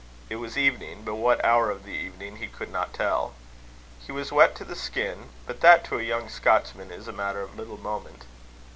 It was evening, but what hour of the evening he could not tell. He was wet to the skin; but that to a young Scotchman is a matter of little moment.